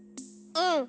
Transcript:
うん。